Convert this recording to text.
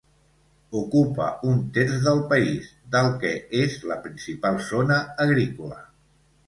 Ocupa un terç del país, del que és la principal zona agrícola.